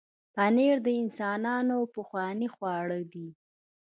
پنېر د انسانانو پخوانی خواړه دی.